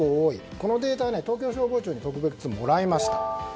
このデータは東京消防庁にもらいました。